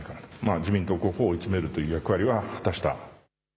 自民党候補を追い詰めるという役割は果たした。